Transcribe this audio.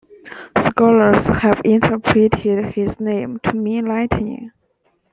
Scholars have interpreted his name to mean 'lightning'.